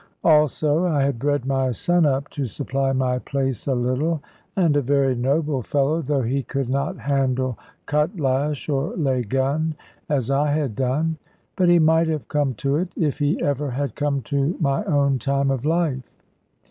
Also I had bred my son up to supply my place a little; and a very noble fellow, though he could not handle cutlash or lay gun as I had done. But he might have come to it if he ever had come to my own time of life.